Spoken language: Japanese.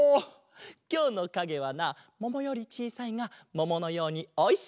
きょうのかげはなももよりちいさいがもものようにおいしいあれだぞ！